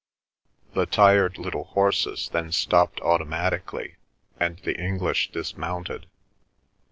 The tired little horses then stopped automatically, and the English dismounted.